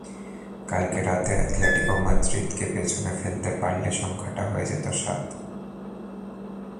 কাল রাতে অ্যাটলেটিকো মাদ্রিদকে পেছনে ফেলতে পারলে সংখ্যাটা হয়ে গেছে সাত।